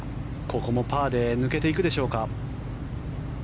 ここもパーで抜けていくでしょうか。